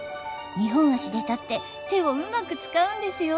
２本足で立って手をうまく使うんですよ。